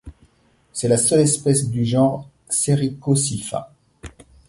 C'est la seule espèce du genre Sericossypha.